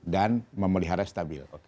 dan memelihara stabil